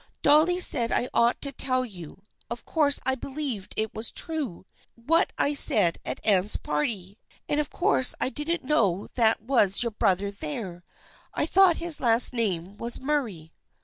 Dolly said I ought to tell you. Of course I believed it was true, what I said at Anne's party, and of course I didn't know that was your brother there. I thought his last name was Murray."